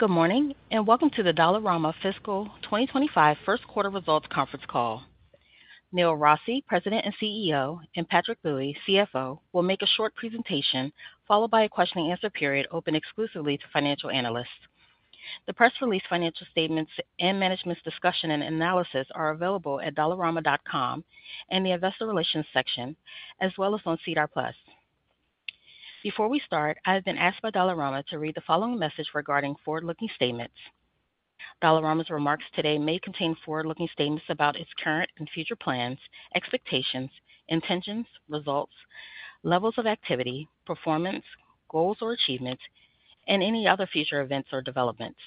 Good morning and welcome to the Dollarama Fiscal 2025 First Quarter Results Conference Call. Neil Rossy, President and CEO, and Patrick Bui, CFO, will make a short presentation followed by a question-and-answer period open exclusively to financial analysts. The press release financial statements and Management's Discussion and Analysis are available at dollarama.com and the Investor Relations section, as well as on SEDAR+. Before we start, I have been asked by Dollarama to read the following message regarding forward-looking statements. Dollarama's remarks today may contain forward-looking statements about its current and future plans, expectations, intentions, results, levels of activity, performance, goals or achievements, and any other future events or developments.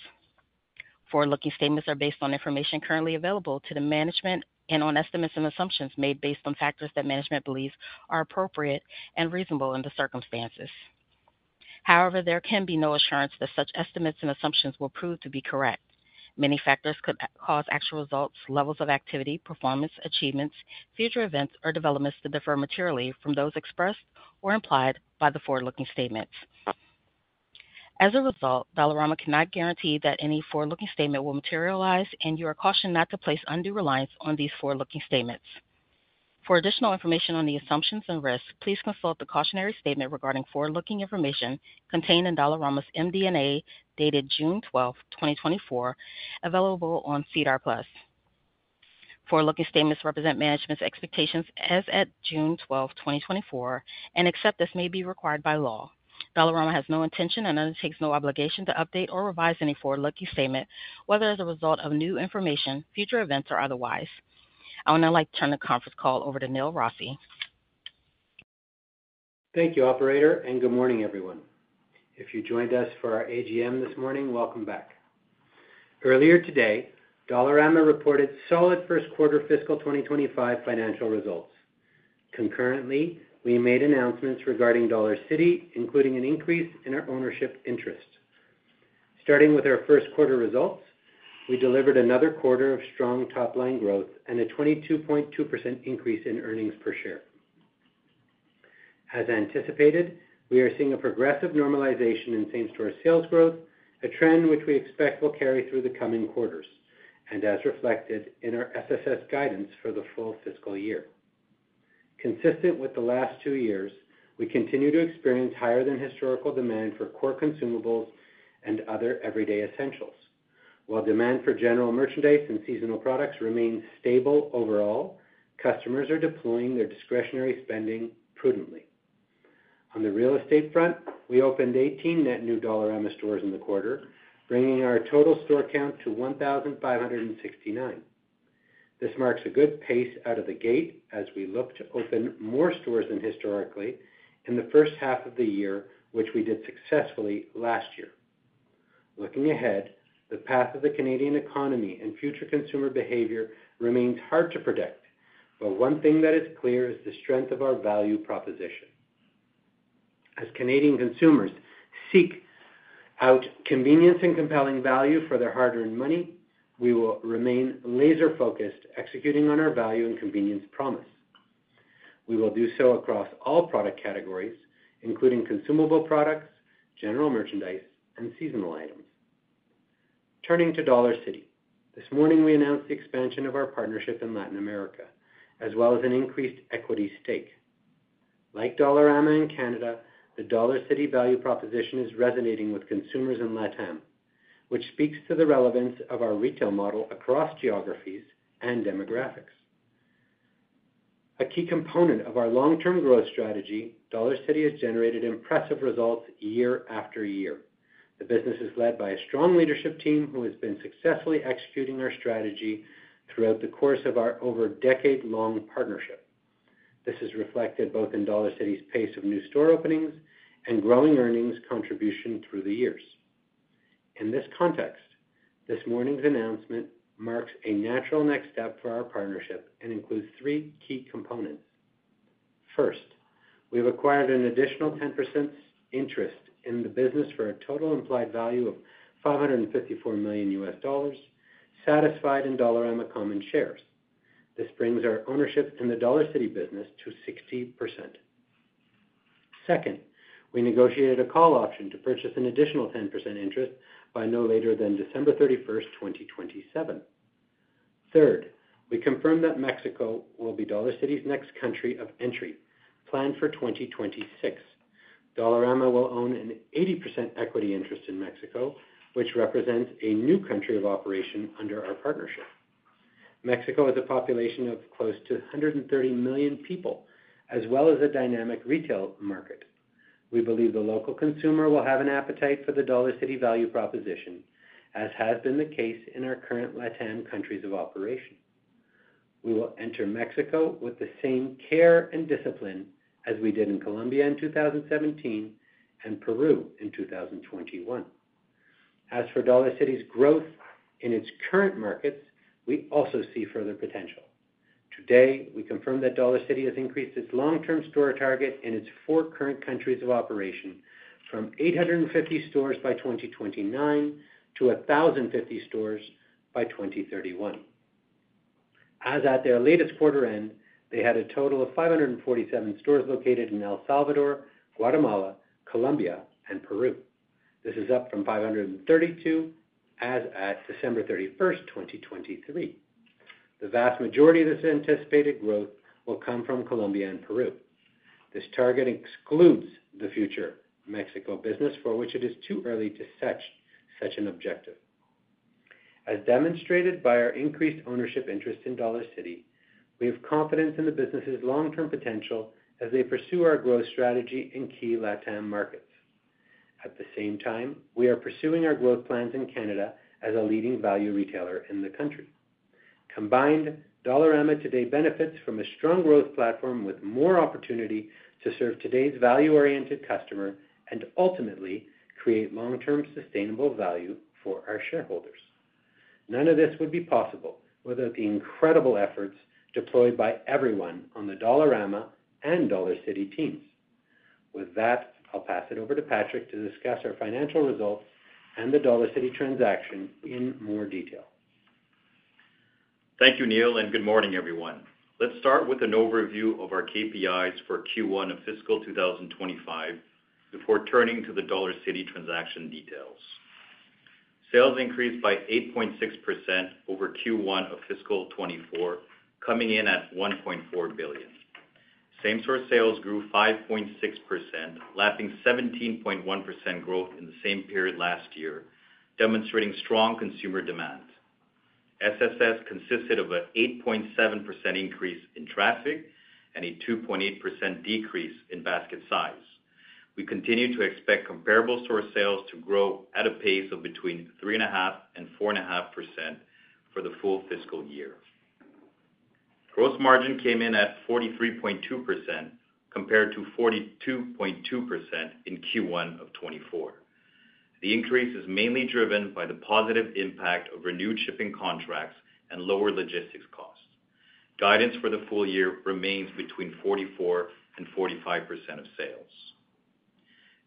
Forward-looking statements are based on information currently available to the management and on estimates and assumptions made based on factors that management believes are appropriate and reasonable in the circumstances. However, there can be no assurance that such estimates and assumptions will prove to be correct. Many factors could cause actual results, levels of activity, performance, achievements, future events, or developments to differ materially from those expressed or implied by the forward-looking statements. As a result, Dollarama cannot guarantee that any forward-looking statement will materialize, and you are cautioned not to place undue reliance on these forward-looking statements. For additional information on the assumptions and risks, please consult the cautionary statement regarding forward-looking information contained in Dollarama's MD&A dated June 12, 2024, available on SEDAR+. Forward-looking statements represent management's expectations as at June 12, 2024, and except as may be required by law. Dollarama has no intention and undertakes no obligation to update or revise any forward-looking statement, whether as a result of new information, future events, or otherwise. I would now like to turn the conference call over to Neil Rossy. Thank you, Operator, and good morning, everyone. If you joined us for our AGM this morning, welcome back. Earlier today, Dollarama reported solid First Quarter Fiscal 2025 financial results. Concurrently, we made announcements regarding Dollarcity, including an increase in our ownership interest. Starting with our First Quarter results, we delivered another quarter of strong top-line growth and a 22.2% increase in earnings per share. As anticipated, we are seeing a progressive normalization in same-store sales growth, a trend which we expect will carry through the coming quarters and, as reflected in our SSS guidance for the full fiscal year. Consistent with the last two years, we continue to experience higher-than-historical demand for core consumables and other everyday essentials. While demand for general merchandise and seasonal products remains stable overall, customers are deploying their discretionary spending prudently. On the real estate front, we opened 18 net new Dollarama stores in the quarter, bringing our total store count to 1,569. This marks a good pace out of the gate as we look to open more stores than historically in the first half of the year, which we did successfully last year. Looking ahead, the path of the Canadian economy and future consumer behavior remains hard to predict, but one thing that is clear is the strength of our value proposition. As Canadian consumers seek out convenience and compelling value for their hard-earned money, we will remain laser-focused executing on our value and convenience promise. We will do so across all product categories, including consumable products, general merchandise, and seasonal items. Turning to Dollarcity, this morning we announced the expansion of our partnership in Latin America, as well as an increased equity stake. Like Dollarama in Canada, the Dollarcity value proposition is resonating with consumers in LatAm, which speaks to the relevance of our retail model across geographies and demographics. A key component of our long-term growth strategy, Dollarcity has generated impressive results year after year. The business is led by a strong leadership team who has been successfully executing our strategy throughout the course of our over-decade-long partnership. This is reflected both in Dollarcity's pace of new store openings and growing earnings contribution through the years. In this context, this morning's announcement marks a natural next step for our partnership and includes three key components. First, we have acquired an additional 10% interest in the business for a total implied value of $554 million satisfied in Dollarama common shares. This brings our ownership in the Dollarcity business to 60%. Second, we negotiated a call option to purchase an additional 10% interest by no later than December 31st, 2027. Third, we confirmed that Mexico will be Dollarcity's next country of entry, planned for 2026. Dollarama will own an 80% equity interest in Mexico, which represents a new country of operation under our partnership. Mexico has a population of close to 130 million people, as well as a dynamic retail market. We believe the local consumer will have an appetite for the Dollarcity value proposition, as has been the case in our current LatAm countries of operation. We will enter Mexico with the same care and discipline as we did in Colombia in 2017 and Peru in 2021. As for Dollarcity's growth in its current markets, we also see further potential. Today, we confirmed that Dollarcity has increased its long-term store target in its four current countries of operation from 850 stores by 2029 to 1,050 stores by 2031. As at their latest quarter-end, they had a total of 547 stores located in El Salvador, Guatemala, Colombia, and Peru. This is up from 532 as at December 31st, 2023. The vast majority of this anticipated growth will come from Colombia and Peru. This target excludes the future Mexico business, for which it is too early to set such an objective. As demonstrated by our increased ownership interest in Dollarcity, we have confidence in the business's long-term potential as they pursue our growth strategy in key LatAm markets. At the same time, we are pursuing our growth plans in Canada as a leading value retailer in the country. Combined, Dollarama today benefits from a strong growth platform with more opportunity to serve today's value-oriented customer and ultimately create long-term sustainable value for our shareholders. None of this would be possible without the incredible efforts deployed by everyone on the Dollarama and Dollarcity teams. With that, I'll pass it over to Patrick to discuss our financial results and the Dollarcity transaction in more detail. Thank you, Neil, and good morning, everyone. Let's start with an overview of our KPIs for Q1 of fiscal 2025 before turning to the Dollarcity transaction details. Sales increased by 8.6% over Q1 of fiscal 2024, coming in at 1.4 billion. Same-store sales grew 5.6%, lapping 17.1% growth in the same period last year, demonstrating strong consumer demand. SSS consisted of an 8.7% increase in traffic and a 2.8% decrease in basket size. We continue to expect comparable store sales to grow at a pace of between 3.5%-4.5% for the full fiscal year. Gross margin came in at 43.2% compared to 42.2% in Q1 of 2024. The increase is mainly driven by the positive impact of renewed shipping contracts and lower logistics costs. Guidance for the full year remains between 44%-45% of sales.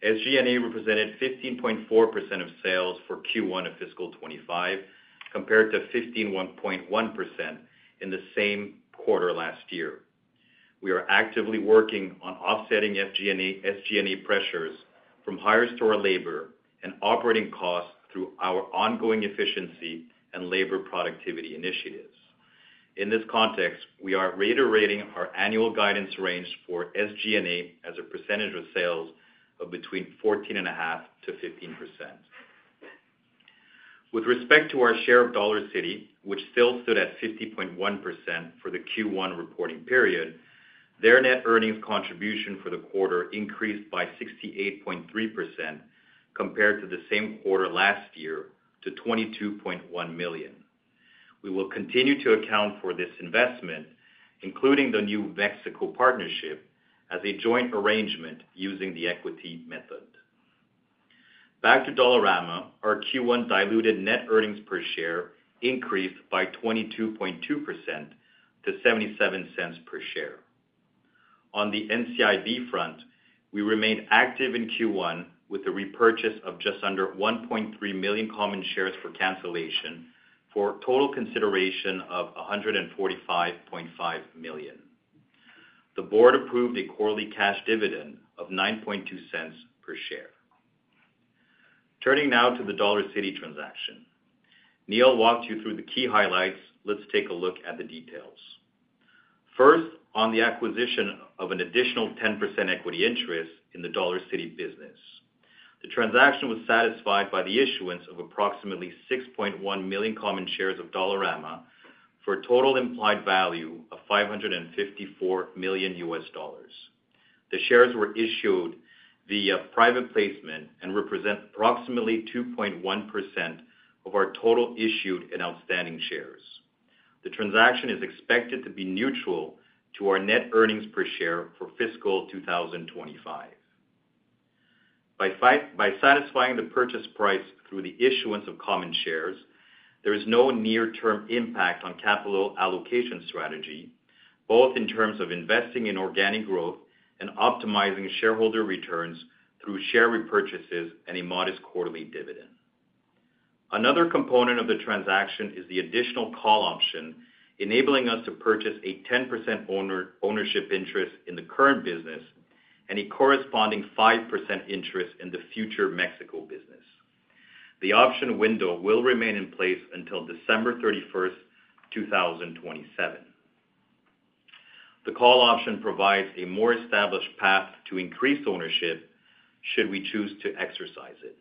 SG&A represented 15.4% of sales for Q1 of fiscal 2025, compared to 15.1% in the same quarter last year. We are actively working on offsetting SG&A pressures from higher store labor and operating costs through our ongoing efficiency and labor productivity initiatives. In this context, we are reiterating our annual guidance range for SG&A as a percentage of sales of between 14.5%-15%. With respect to our share of Dollarcity, which still stood at 50.1% for the Q1 reporting period, their net earnings contribution for the quarter increased by 68.3% compared to the same quarter last year to 22.1 million. We will continue to account for this investment, including the new Mexico partnership, as a joint arrangement using the equity method. Back to Dollarama, our Q1 diluted net earnings per share increased by 22.2% to 0.77 per share. On the NCIB front, we remained active in Q1 with a repurchase of just under 1.3 million common shares for cancellation, for total consideration of 145.5 million. The board approved a quarterly cash dividend of 0.092 per share. Turning now to the Dollarcity transaction, Neil walked you through the key highlights. Let's take a look at the details. First, on the acquisition of an additional 10% equity interest in the Dollarcity business. The transaction was satisfied by the issuance of approximately 6.1 million common shares of Dollarama for a total implied value of $554 million. The shares were issued via private placement and represent approximately 2.1% of our total issued and outstanding shares. The transaction is expected to be neutral to our net earnings per share for fiscal 2025. By satisfying the purchase price through the issuance of common shares, there is no near-term impact on capital allocation strategy, both in terms of investing in organic growth and optimizing shareholder returns through share repurchases and a modest quarterly dividend. Another component of the transaction is the additional call option enabling us to purchase a 10% ownership interest in the current business and a corresponding 5% interest in the future Mexico business. The option window will remain in place until December 31st, 2027. The call option provides a more established path to increased ownership should we choose to exercise it.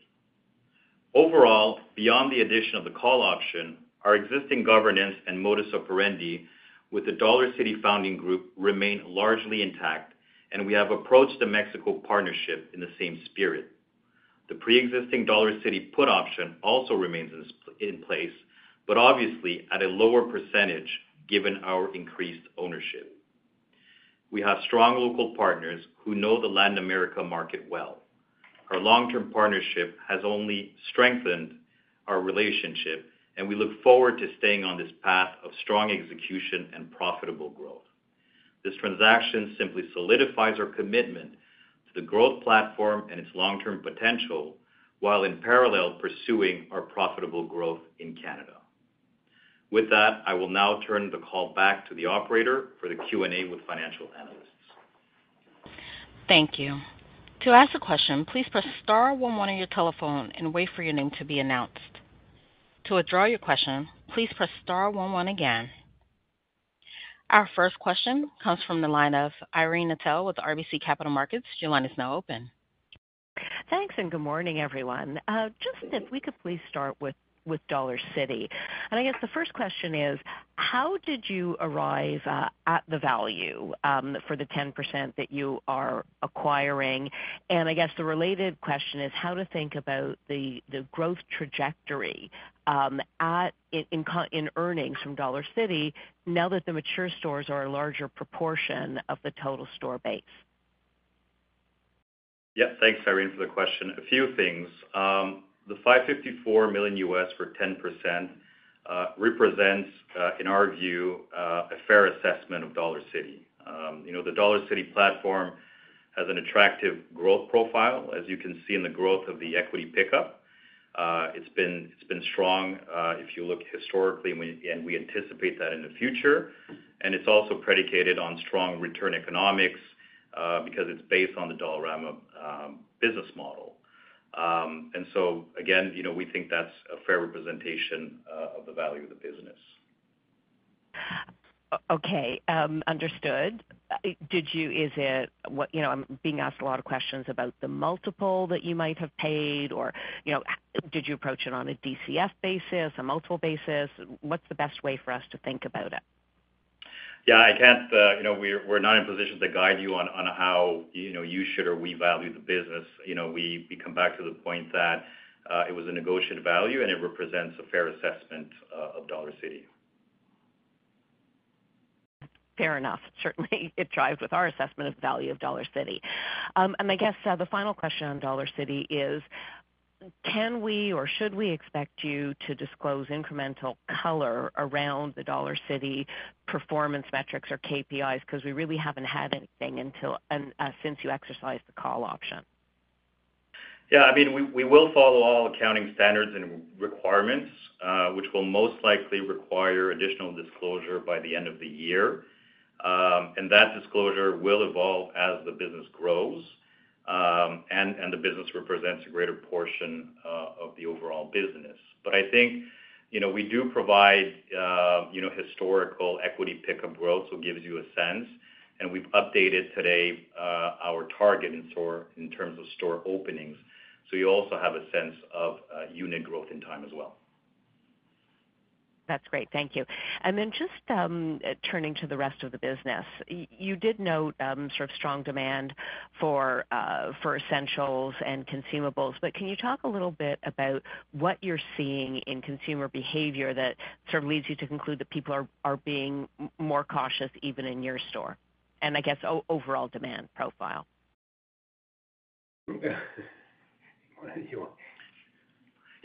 Overall, beyond the addition of the call option, our existing governance and modus operandi with the Dollarcity founding group remain largely intact, and we have approached the Mexico partnership in the same spirit. The pre-existing Dollarcity put option also remains in place, but obviously at a lower percentage given our increased ownership. We have strong local partners who know the Latin America market well. Our long-term partnership has only strengthened our relationship, and we look forward to staying on this path of strong execution and profitable growth. This transaction simply solidifies our commitment to the growth platform and its long-term potential while in parallel pursuing our profitable growth in Canada. With that, I will now turn the call back to the Operator for the Q&A with financial analysts. Thank you. To ask a question, please press star one one on your telephone and wait for your name to be announced. To withdraw your question, please press star one one again. Our first question comes from the line of Irene Nattel with RBC Capital Markets. Your line is now open. Thanks, and good morning, everyone. Just if we could please start with Dollarcity. I guess the first question is, how did you arrive at the value for the 10% that you are acquiring? I guess the related question is how to think about the growth trajectory in earnings from Dollarcity now that the mature stores are a larger proportion of the total store base? Yes, thanks, Irene, for the question. A few things. The $554 million for 10% represents, in our view, a fair assessment of Dollarcity. The Dollarcity platform has an attractive growth profile, as you can see in the growth of the equity pickup. It's been strong if you look historically, and we anticipate that in the future. And it's also predicated on strong return economics because it's based on the Dollarama business model. And so, again, we think that's a fair representation of the value of the business. Okay, understood. Is it? I'm being asked a lot of questions about the multiple that you might have paid. Did you approach it on a DCF basis, a multiple basis? What's the best way for us to think about it? Yeah, I can't. We're not in a position to guide you on how you should or we value the business. We come back to the point that it was a negotiated value, and it represents a fair assessment of Dollarcity. Fair enough. Certainly, it ties with our assessment of the value of Dollarcity. And I guess the final question on Dollarcity is, can we or should we expect you to disclose incremental color around the Dollarcity performance metrics or KPIs because we really haven't had anything since you exercised the call option? Yeah, I mean, we will follow all accounting standards and requirements, which will most likely require additional disclosure by the end of the year. And that disclosure will evolve as the business grows and the business represents a greater portion of the overall business. But I think we do provide historical equity pickup growth, so it gives you a sense. And we've updated today our target in terms of store openings, so you also have a sense of unit growth in time as well. That's great. Thank you. Then just turning to the rest of the business, you did note sort of strong demand for essentials and consumables. But can you talk a little bit about what you're seeing in consumer behavior that sort of leads you to conclude that people are being more cautious even in your store? And I guess overall demand profile?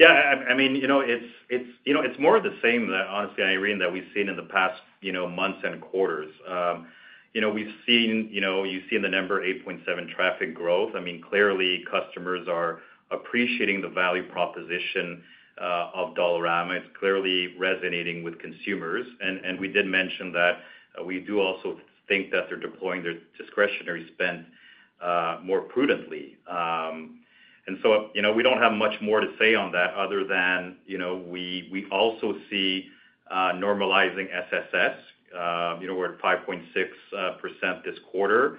Yeah, I mean, it's more of the same that, honestly, Irene, that we've seen in the past months and quarters. You see in the number 8.7 traffic growth. I mean, clearly, customers are appreciating the value proposition of Dollarama. It's clearly resonating with consumers. And we did mention that we do also think that they're deploying their discretionary spend more prudently. And so we don't have much more to say on that other than we also see normalizing SSS. We're at 5.6% this quarter.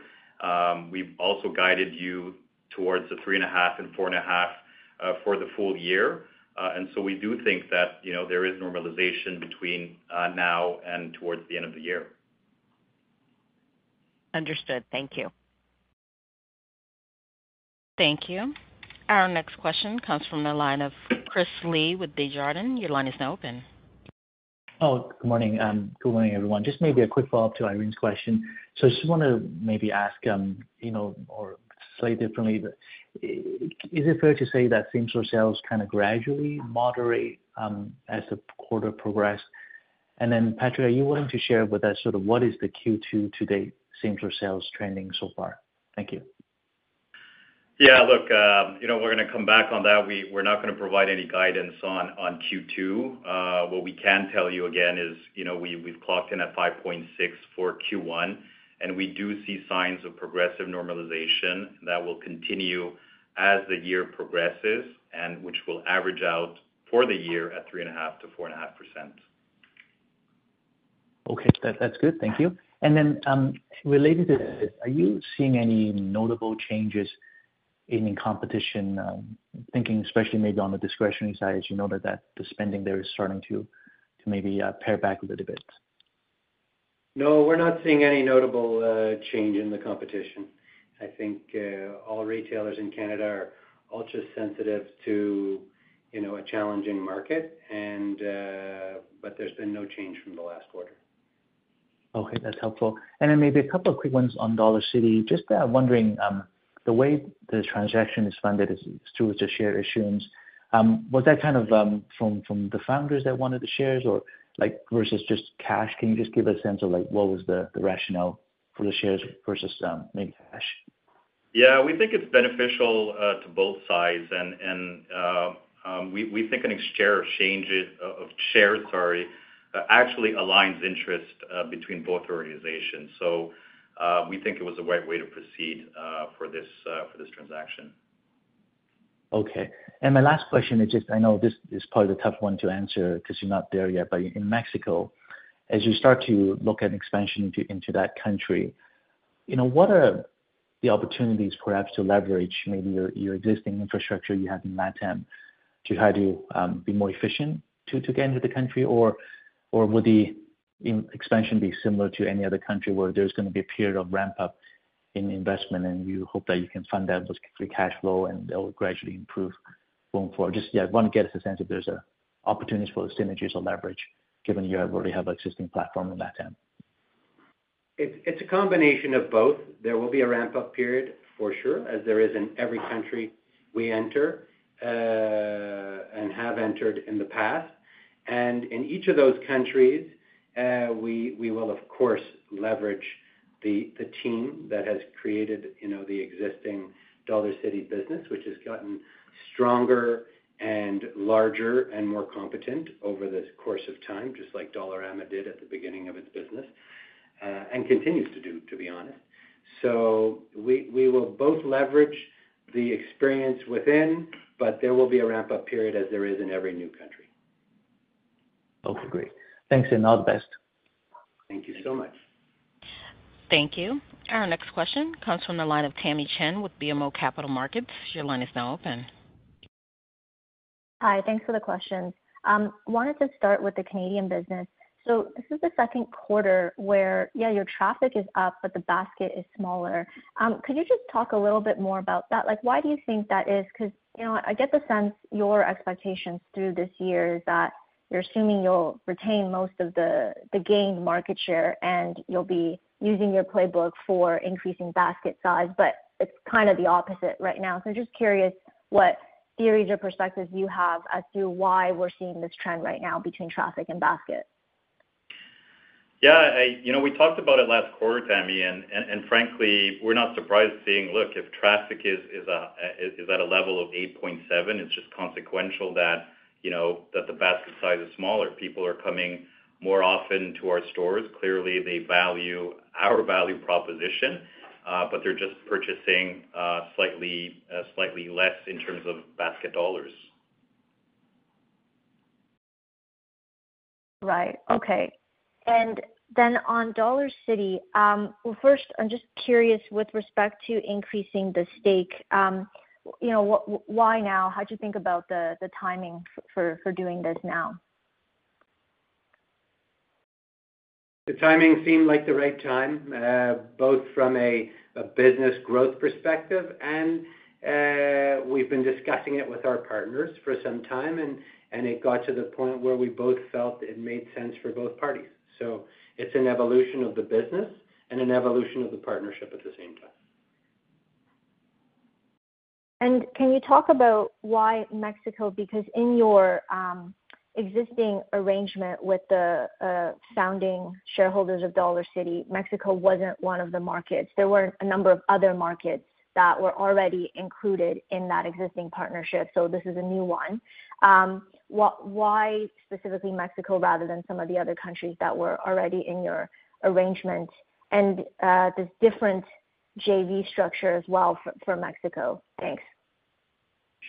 We've also guided you towards the 3.5% and 4.5% for the full year. And so we do think that there is normalization between now and towards the end of the year. Understood. Thank you. Thank you. Our next question comes from the line of Chris Li with Desjardins. Your line is now open. Oh, good morning. Good morning, everyone. Just maybe a quick follow-up to Irene's question. So I just want to maybe ask or say differently, is it fair to say that same-store sales kind of gradually moderate as the quarter progressed? And then, Patrick, are you willing to share with us sort of what is the Q2 to date same-store sales trending so far? Thank you. Yeah, look, we're going to come back on that. We're not going to provide any guidance on Q2. What we can tell you, again, is we've clocked in at 5.6% for Q1, and we do see signs of progressive normalization that will continue as the year progresses, and which will average out for the year at 3.5%-4.5%. Okay, that's good. Thank you. And then related to this, are you seeing any notable changes in competition, thinking especially maybe on the discretionary side, as you noted that the spending there is starting to maybe pare back a little bit? No, we're not seeing any notable change in the competition. I think all retailers in Canada are ultra-sensitive to a challenging market, but there's been no change from the last quarter. Okay, that's helpful. And then maybe a couple of quick ones on Dollarcity. Just wondering, the way the transaction is funded through the share issuance, was that kind of from the founders that wanted the shares versus just cash? Can you just give a sense of what was the rationale for the shares versus maybe cash? Yeah, we think it's beneficial to both sides. We think an exchange of shares, sorry, actually aligns interest between both organizations. We think it was a right way to proceed for this transaction. Okay. And my last question is just, I know this is probably a tough one to answer because you're not there yet, but in Mexico, as you start to look at expansion into that country, what are the opportunities perhaps to leverage maybe your existing infrastructure you have in LatAm to try to be more efficient to get into the country? Or would the expansion be similar to any other country where there's going to be a period of ramp-up in investment, and you hope that you can fund that with free cash flow, and they'll gradually improve going forward? Just, yeah, I want to get a sense if there's opportunities for synergies or leverage, given you already have an existing platform in LatAm. It's a combination of both. There will be a ramp-up period for sure, as there is in every country we enter and have entered in the past. In each of those countries, we will, of course, leverage the team that has created the existing Dollarcity business, which has gotten stronger and larger and more competent over this course of time, just like Dollarama did at the beginning of its business and continues to do, to be honest. We will both leverage the experience within, but there will be a ramp-up period as there is in every new country. Okay, great. Thanks, and all the best. Thank you so much. Thank you. Our next question comes from the line of Tamy Chen with BMO Capital Markets. Your line is now open. Hi, thanks for the question. I wanted to start with the Canadian business. So this is the second quarter where, yeah, your traffic is up, but the basket is smaller. Could you just talk a little bit more about that? Why do you think that is? Because I get the sense your expectations through this year is that you're assuming you'll retain most of the gained market share, and you'll be using your playbook for increasing basket size, but it's kind of the opposite right now. So I'm just curious what theories or perspectives you have as to why we're seeing this trend right now between traffic and basket. Yeah, we talked about it last quarter, Tamy, and frankly, we're not surprised seeing, look, if traffic is at a level of 8.7%, it's just consequential that the basket size is smaller. People are coming more often to our stores. Clearly, they value our value proposition, but they're just purchasing slightly less in terms of basket dollars. Right. Okay. And then on Dollarcity, well, first, I'm just curious with respect to increasing the stake. Why now? How do you think about the timing for doing this now? The timing seemed like the right time, both from a business growth perspective, and we've been discussing it with our partners for some time, and it got to the point where we both felt it made sense for both parties. So it's an evolution of the business and an evolution of the partnership at the same time. Can you talk about why Mexico? Because in your existing arrangement with the founding shareholders of Dollarcity, Mexico wasn't one of the markets. There were a number of other markets that were already included in that existing partnership, so this is a new one. Why specifically Mexico rather than some of the other countries that were already in your arrangement? And this different JV structure as well for Mexico. Thanks.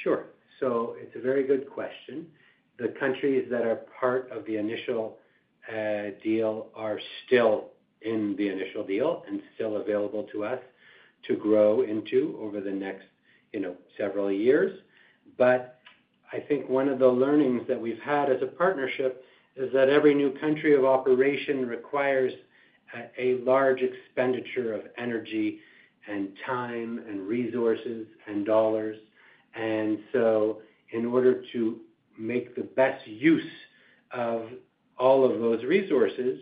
Sure. So it's a very good question. The countries that are part of the initial deal are still in the initial deal and still available to us to grow into over the next several years. But I think one of the learnings that we've had as a partnership is that every new country of operation requires a large expenditure of energy and time and resources and dollars. And so in order to make the best use of all of those resources,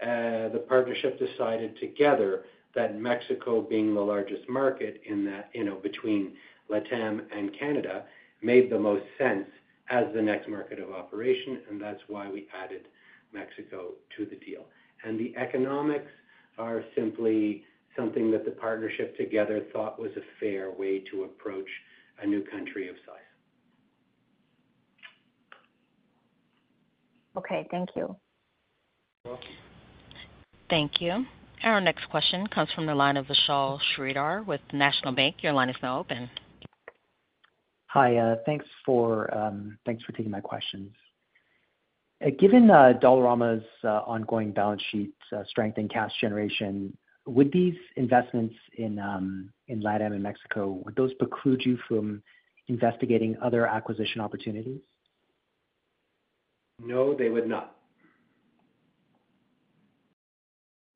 the partnership decided together that Mexico, being the largest market between LatAm and Canada, made the most sense as the next market of operation, and that's why we added Mexico to the deal. And the economics are simply something that the partnership together thought was a fair way to approach a new country of size. Okay, thank you. You're welcome. Thank you. Our next question comes from the line of Vishal Shreedhar with National Bank. Your line is now open. Hi, thanks for taking my questions. Given Dollarama's ongoing balance sheet strength and cash generation, would these investments in LatAm and Mexico, would those preclude you from investigating other acquisition opportunities? No, they would not.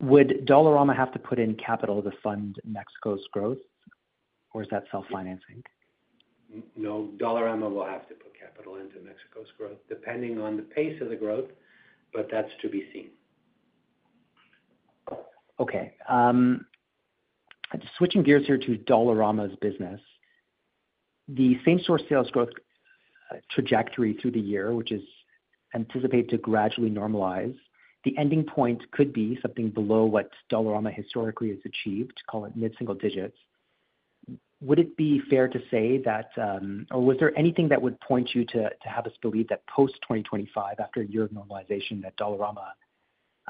Would Dollarama have to put in capital to fund Mexico's growth, or is that self-financing? No, Dollarama will have to put capital into Mexico's growth, depending on the pace of the growth, but that's to be seen. Okay. Switching gears here to Dollarama's business, the same-store sales growth trajectory through the year, which is anticipated to gradually normalize, the ending point could be something below what Dollarama historically has achieved, call it mid-single digits. Would it be fair to say that, or was there anything that would point you to have us believe that post-2025, after a year of normalization, that Dollarama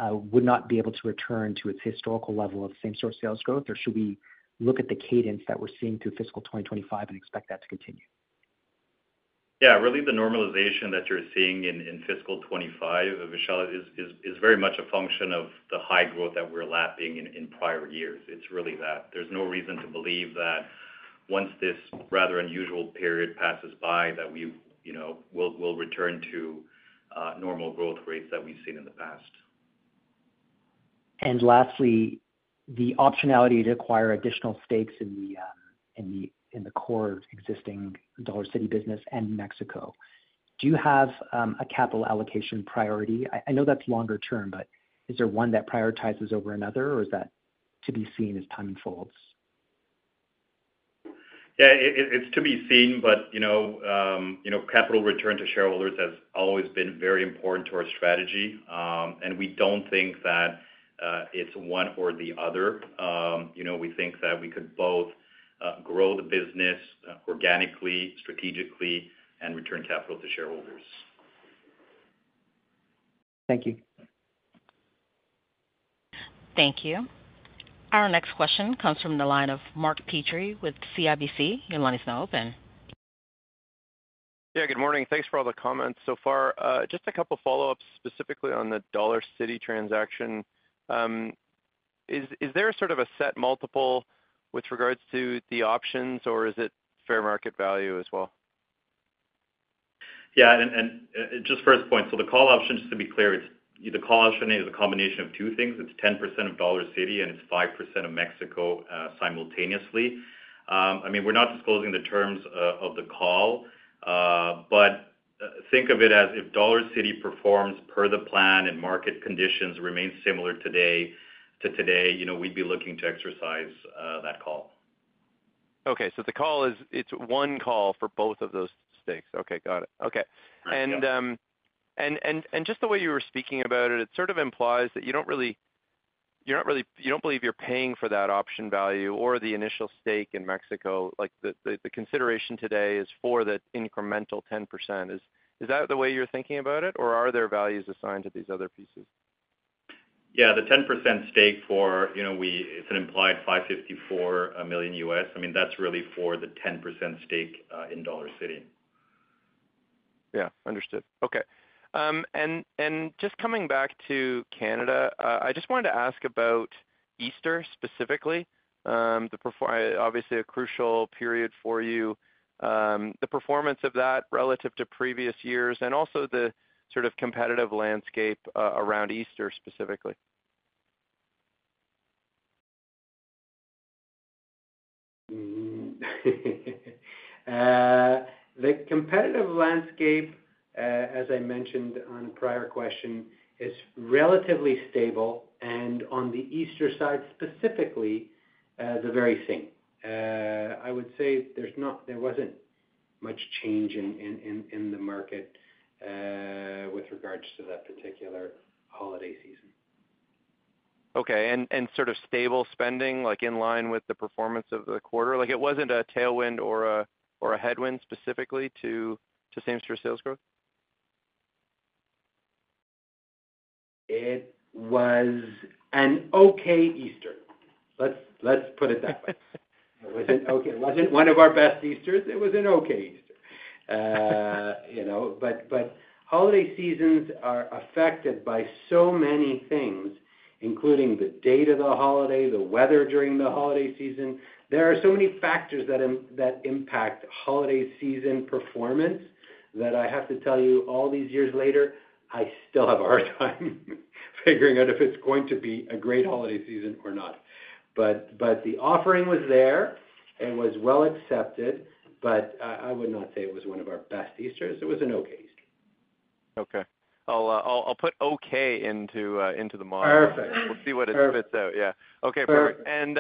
would not be able to return to its historical level of same-store sales growth? Or should we look at the cadence that we're seeing through fiscal 2025 and expect that to continue? Yeah, really, the normalization that you're seeing in Fiscal 2025, Vishal, is very much a function of the high growth that we're lapping in prior years. It's really that. There's no reason to believe that once this rather unusual period passes by, that we will return to normal growth rates that we've seen in the past. Lastly, the optionality to acquire additional stakes in the core existing Dollarcity business and Mexico. Do you have a capital allocation priority? I know that's longer term, but is there one that prioritizes over another, or is that to be seen as time unfolds? Yeah, it's to be seen, but capital return to shareholders has always been very important to our strategy, and we don't think that it's one or the other. We think that we could both grow the business organically, strategically, and return capital to shareholders. Thank you. Thank you. Our next question comes from the line of Mark Petrie with CIBC. Your line is now open. Yeah, good morning. Thanks for all the comments so far. Just a couple of follow-ups specifically on the Dollarcity transaction. Is there sort of a set multiple with regards to the options, or is it fair market value as well? Yeah, and just first point, so the call option, just to be clear, the call option is a combination of two things. It's 10% of Dollarcity, and it's 5% of Mexico simultaneously. I mean, we're not disclosing the terms of the call, but think of it as if Dollarcity performs per the plan and market conditions remain similar to today, we'd be looking to exercise that call. Okay, so the call is it's one call for both of those stakes. Okay, got it. Okay. And just the way you were speaking about it, it sort of implies that you don't really believe you're paying for that option value or the initial stake in Mexico. The consideration today is for that incremental 10%. Is that the way you're thinking about it, or are there values assigned to these other pieces? Yeah, the 10% stake for it's an implied $554 million. I mean, that's really for the 10% stake in Dollarcity. Yeah, understood. Okay. Just coming back to Canada, I just wanted to ask about Easter specifically, obviously a crucial period for you. The performance of that relative to previous years and also the sort of competitive landscape around Easter specifically. The competitive landscape, as I mentioned on a prior question, is relatively stable, and on the Easter side specifically, the very same. I would say there wasn't much change in the market with regards to that particular holiday season. Okay. And sort of stable spending, in line with the performance of the quarter? It wasn't a tailwind or a headwind specifically to same-store sales growth? It was an okay Easter. Let's put it that way. It wasn't one of our best Easters. It was an okay Easter. But holiday seasons are affected by so many things, including the date of the holiday, the weather during the holiday season. There are so many factors that impact holiday season performance that I have to tell you, all these years later, I still have a hard time figuring out if it's going to be a great holiday season or not. But the offering was there. It was well accepted, but I would not say it was one of our best Easters. It was an okay Easter. Okay. I'll put okay into the model. Perfect. We'll see what it spits out. Yeah. Okay, perfect. And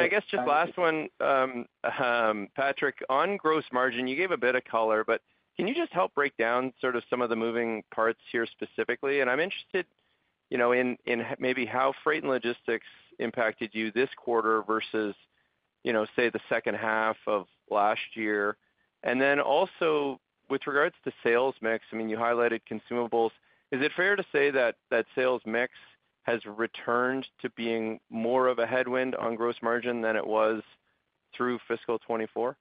I guess just last one, Patrick, on gross margin, you gave a bit of color, but can you just help break down sort of some of the moving parts here specifically? And I'm interested in maybe how freight and logistics impacted you this quarter versus, say, the second half of last year. And then also with regards to sales mix, I mean, you highlighted consumables. Is it fair to say that sales mix has returned to being more of a headwind on gross margin than it was through Fiscal 2024?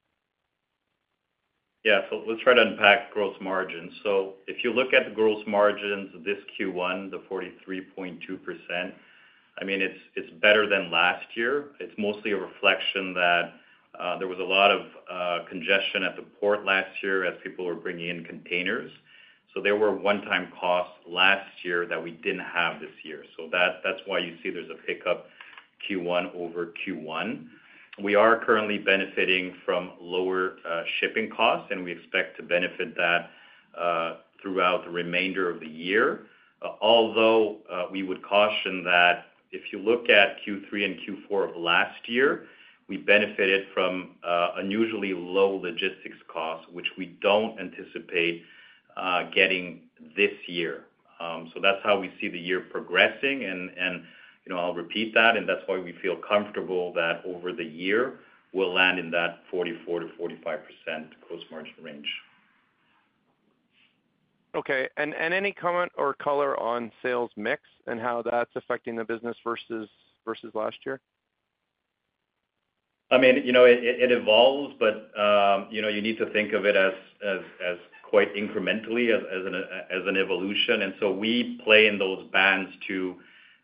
Yeah. So let's try to unpack gross margins. So if you look at the gross margins this Q1, the 43.2%, I mean, it's better than last year. It's mostly a reflection that there was a lot of congestion at the port last year as people were bringing in containers. So there were one-time costs last year that we didn't have this year. So that's why you see there's a pickup Q1 over Q1. We are currently benefiting from lower shipping costs, and we expect to benefit that throughout the remainder of the year. Although we would caution that if you look at Q3 and Q4 of last year, we benefited from unusually low logistics costs, which we don't anticipate getting this year. So that's how we see the year progressing, and I'll repeat that, and that's why we feel comfortable that over the year, we'll land in that 44%-45% gross margin range. Okay. And any comment or color on sales mix and how that's affecting the business versus last year? I mean, it evolves, but you need to think of it as quite incrementally, as an evolution. And so we play in those bands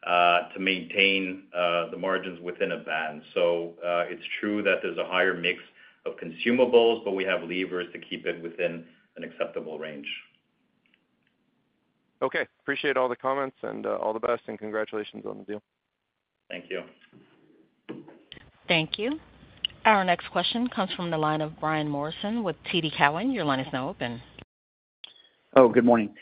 to maintain the margins within a band. So it's true that there's a higher mix of consumables, but we have levers to keep it within an acceptable range. Okay. Appreciate all the comments and all the best, and congratulations on the deal. Thank you. Thank you. Our next question comes from the line of Brian Morrison with TD Cowen. Your line is now open. Oh, good morning.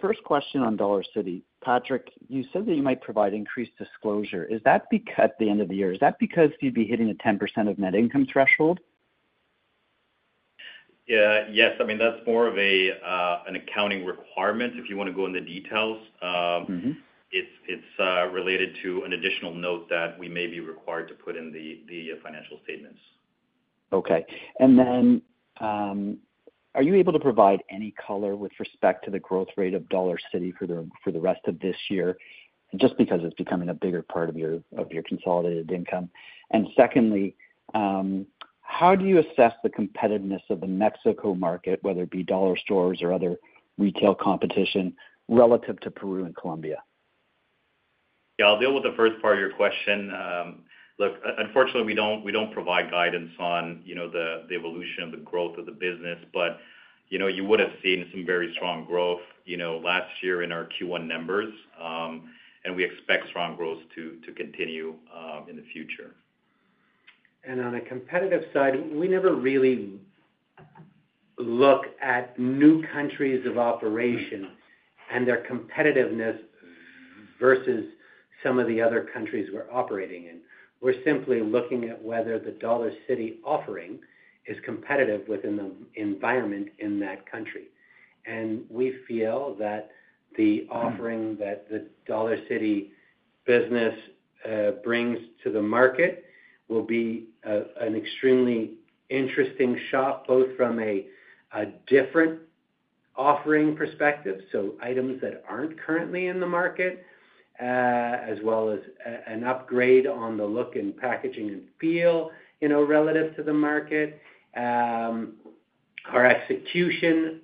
First question on Dollarcity. Patrick, you said that you might provide increased disclosure. Is that at the end of the year? Is that because you'd be hitting a 10% of net income threshold? Yes. I mean, that's more of an accounting requirement. If you want to go into details, it's related to an additional note that we may be required to put in the financial statements. Okay. And then are you able to provide any color with respect to the growth rate of Dollarcity for the rest of this year, just because it's becoming a bigger part of your consolidated income? And secondly, how do you assess the competitiveness of the Mexico market, whether it be dollar stores or other retail competition, relative to Peru and Colombia? Yeah, I'll deal with the first part of your question. Look, unfortunately, we don't provide guidance on the evolution of the growth of the business, but you would have seen some very strong growth last year in our Q1 numbers, and we expect strong growth to continue in the future. On a competitive side, we never really look at new countries of operation and their competitiveness versus some of the other countries we're operating in. We're simply looking at whether the Dollarcity offering is competitive within the environment in that country. We feel that the offering that the Dollarcity business brings to the market will be an extremely interesting shop, both from a different offering perspective, so items that aren't currently in the market, as well as an upgrade on the look and packaging and feel relative to the market, our execution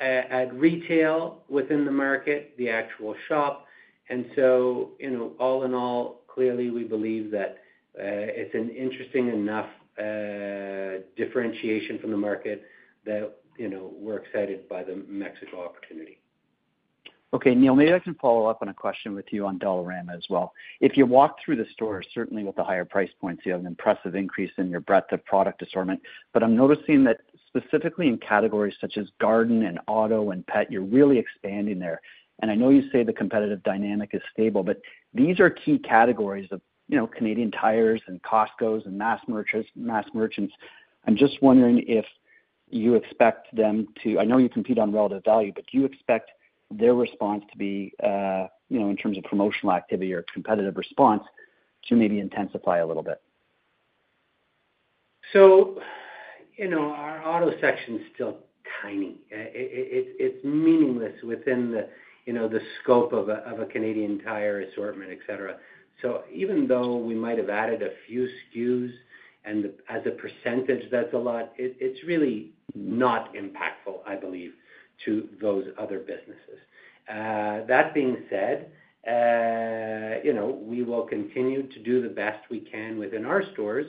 at retail within the market, the actual shop. So all in all, clearly, we believe that it's an interesting enough differentiation from the market that we're excited by the Mexico opportunity. Okay, Neil, maybe I can follow up on a question with you on Dollarama as well. If you walk through the stores, certainly with the higher price points, you have an impressive increase in your breadth of product assortment. But I'm noticing that specifically in categories such as garden and auto and pet, you're really expanding there. And I know you say the competitive dynamic is stable, but these are key categories of Canadian Tire and Costcos and mass merchants. I'm just wondering if you expect them to—I know you compete on relative value, but do you expect their response to be, in terms of promotional activity or competitive response, to maybe intensify a little bit? So our auto section is still tiny. It's meaningless within the scope of a Canadian Tire assortment, etc. So even though we might have added a few SKUs as a percentage, that's a lot. It's really not impactful, I believe, to those other businesses. That being said, we will continue to do the best we can within our stores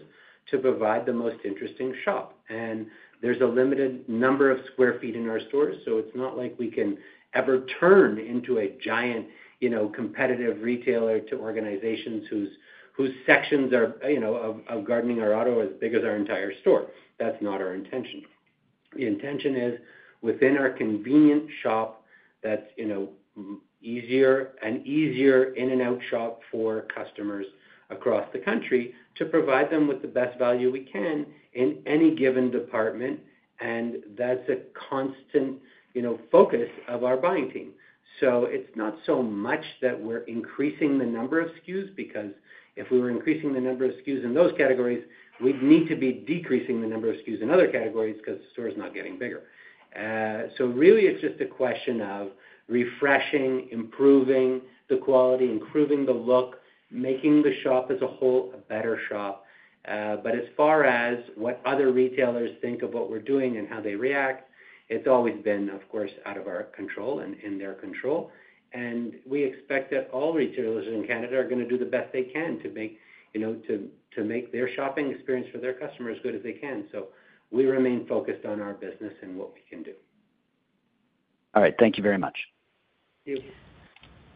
to provide the most interesting shop. And there's a limited number of square feet in our stores, so it's not like we can ever turn into a giant competitive retailer to organizations whose sections of gardening or auto are as big as our entire store. That's not our intention. The intention is within our convenient shop that's an easier in-and-out shop for customers across the country to provide them with the best value we can in any given department. And that's a constant focus of our buying team. So it's not so much that we're increasing the number of SKUs because if we were increasing the number of SKUs in those categories, we'd need to be decreasing the number of SKUs in other categories because the store is not getting bigger. So really, it's just a question of refreshing, improving the quality, improving the look, making the shop as a whole a better shop. But as far as what other retailers think of what we're doing and how they react, it's always been, of course, out of our control and in their control. And we expect that all retailers in Canada are going to do the best they can to make their shopping experience for their customers as good as they can. So we remain focused on our business and what we can do. All right. Thank you very much. Thank you.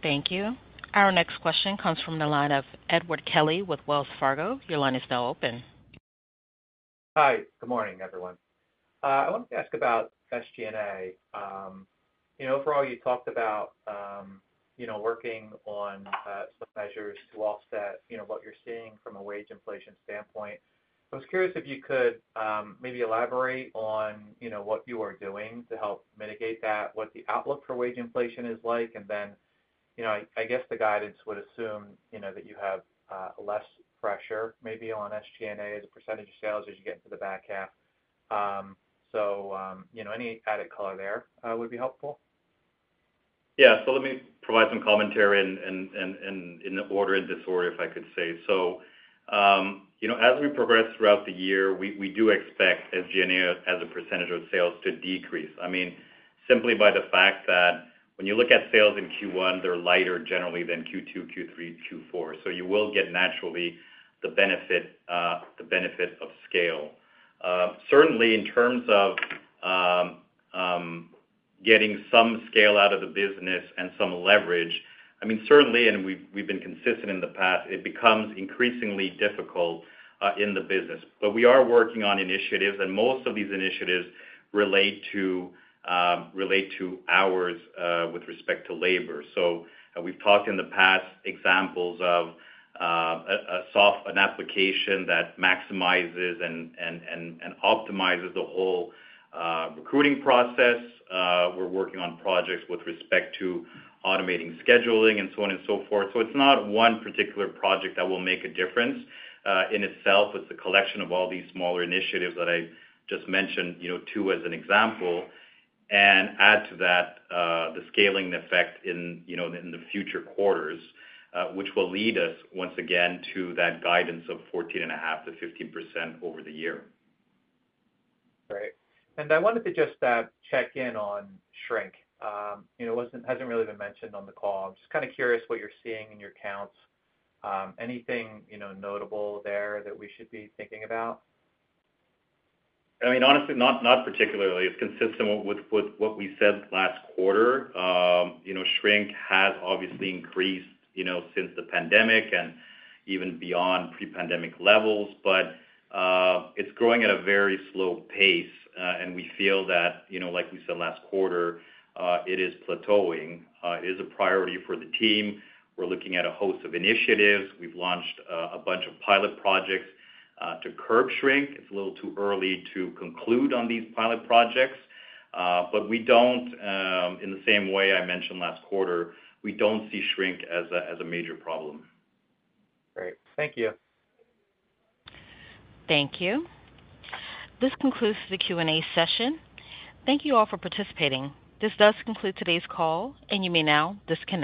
Thank you. Our next question comes from the line of Edward Kelly with Wells Fargo. Your line is now open. Hi. Good morning, everyone. I wanted to ask about SG&A. Overall, you talked about working on some measures to offset what you're seeing from a wage inflation standpoint. I was curious if you could maybe elaborate on what you are doing to help mitigate that, what the outlook for wage inflation is like, and then I guess the guidance would assume that you have less pressure maybe on SG&A as a percentage of sales as you get into the back half. So any added color there would be helpful. Yeah. So let me provide some commentary in order and disorder, if I could say. So as we progress throughout the year, we do expect SG&A as a percentage of sales to decrease. I mean, simply by the fact that when you look at sales in Q1, they're lighter generally than Q2, Q3, Q4. So you will get naturally the benefit of scale. Certainly, in terms of getting some scale out of the business and some leverage, I mean, certainly, and we've been consistent in the past, it becomes increasingly difficult in the business. But we are working on initiatives, and most of these initiatives relate to hours with respect to labor. So we've talked in the past examples of an application that maximizes and optimizes the whole recruiting process. We're working on projects with respect to automating scheduling and so on and so forth. It's not one particular project that will make a difference in itself. It's the collection of all these smaller initiatives that I just mentioned, too as an example, and add to that the scaling effect in the future quarters, which will lead us, once again, to that guidance of 14.5%-15% over the year. All right. I wanted to just check in on shrink. It hasn't really been mentioned on the call. I'm just kind of curious what you're seeing in your counts. Anything notable there that we should be thinking about? I mean, honestly, not particularly. It's consistent with what we said last quarter. Shrink has obviously increased since the pandemic and even beyond pre-pandemic levels, but it's growing at a very slow pace. We feel that, like we said last quarter, it is plateauing. It is a priority for the team. We're looking at a host of initiatives. We've launched a bunch of pilot projects to curb shrink. It's a little too early to conclude on these pilot projects, but we don't, in the same way I mentioned last quarter, we don't see shrink as a major problem. Great. Thank you. Thank you. This concludes the Q&A session. Thank you all for participating. This does conclude today's call, and you may now disconnect.